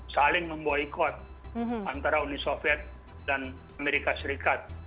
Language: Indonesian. saling memboykot antara uni soviet dan amerika serikat